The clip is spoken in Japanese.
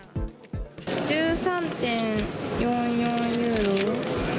１３．４４ユーロ。